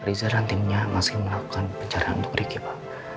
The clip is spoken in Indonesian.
riza dan timnya masih melakukan pencarian untuk ricky pak